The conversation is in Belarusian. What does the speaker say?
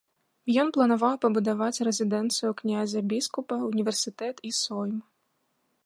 Ён планаваў пабудаваць рэзідэнцыю князя-біскупа, універсітэт і сойм.